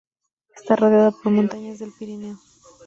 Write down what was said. Está rodeada por montañas del Pirineo.